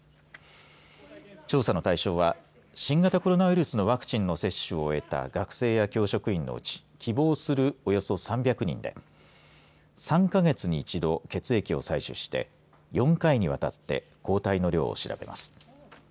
調査の対象は新型コロナウイルスのワクチンの接種を終えた学生や教職員のうち希望するおよそ３００人で３か月に１度血液を採取して４回にわたって抗体の量を調べます。